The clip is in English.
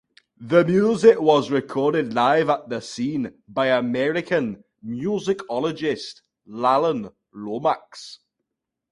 The music was recorded live at the scene by American musicologist Alan Lomax.